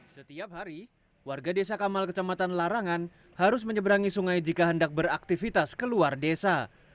setiap hari warga desa kamal kecamatan larangan harus menyeberangi sungai jika hendak beraktivitas keluar desa